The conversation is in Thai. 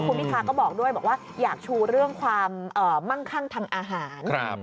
คุณพีทาก็บอกด้วยอยากชูเรื่องความมั่งข้างทำอาหาร